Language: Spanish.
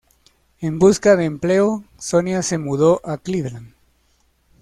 En busca de empleo, Sonia se mudó a Cleveland.